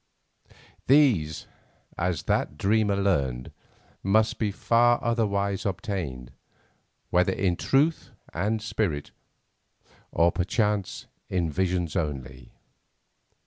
These, as that dreamer learned, must be far otherwise obtained, whether in truth and spirit, or perchance, in visions only.